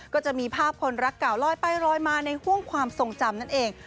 ก็จะมีภาพคนรักเก่าลอยไปลอยมาในห่วงความทรงจำนั่นเอง